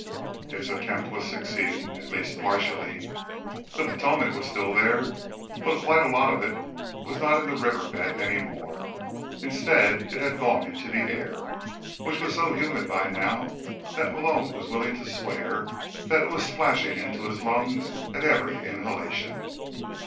Its attempt was succeeding, at least partially. The Potomac was still there, but quite a lot of it was not in the river bed any more. Instead, it had gone into the air, which was so humid by now that Malone was willing to swear that it was splashing into his lungs at every inhalation.